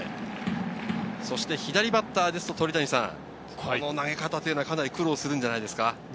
左バッターですと、この投げ方はかなり苦労するんじゃないですか？